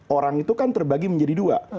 orang itu kan terbagi menjadi dua